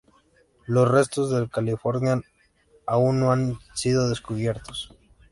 Los restos del "Californian" aún no han sido descubiertos.